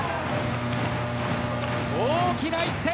大きな１点。